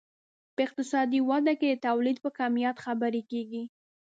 په اقتصادي وده کې د تولید په کمیت خبرې کیږي.